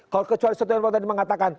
kalau kecuali setianow panto yang mengatakan